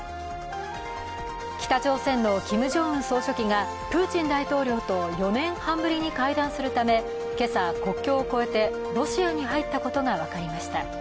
北朝鮮のキム・ジョンウン総書記がプーチン大統領と４年半ぶりに会談するため今朝国境を超えてロシアに入ったことが分かりました。